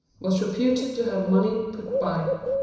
Was reputed to have money put by.